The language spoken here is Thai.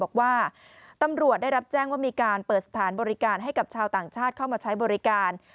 บอกว่าตำรวจได้รับแจ้งว่ามีการเปิดสถานบริการให้กับชาวต่างชาติเข้ามาใช้บริการ